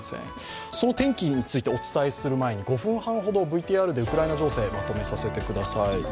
その天気についてお伝えする前に、５分半ほどＶＴＲでウクライナ情勢をまとめさせてください。